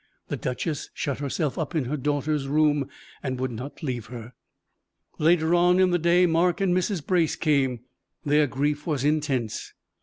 The duchess shut herself up in her daughter's room, and would not leave her. Later on in the day Mark and Mrs. Brace came: their grief was intense.